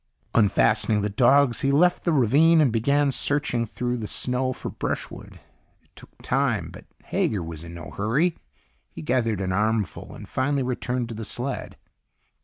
Unfastening the dogs, he left the ravine and began searching through the snow for brushwood. It took time, but Hager was in no hurry. He gathered an armful and finally returned to the sled.